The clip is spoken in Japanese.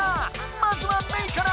まずはメイから！